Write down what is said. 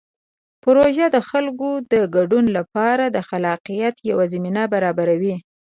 پروژه د خلکو د ګډون لپاره د خلاقیت یوه زمینه برابروي.